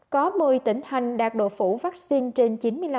có một mươi tỉnh hành đạt độ phủ vaccine trên chín mươi